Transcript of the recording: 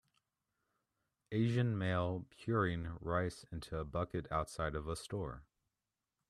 Asian male puring rice into a bucket outside of a store.